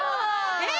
えっ？